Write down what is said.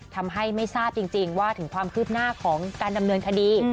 ทำให้ไม่ทราบจริงว่าถึงความคืบหน้าของการดำเนินคดี